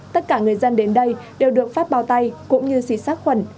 tất cả người dân đến đây đều được phát bao tay cũng như xịt sát khuẩn